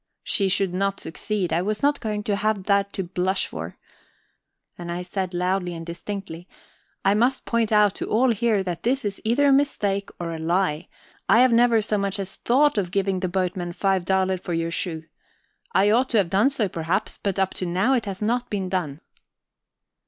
She should not succeed; I was not going to have that to blush for. And I said loudly and distinctly: "I must point out to all here that this is either a mistake or a lie. I have never so much as thought of giving the boatman five daler for your shoe. I ought to have done so, perhaps, but up to now it has not been done."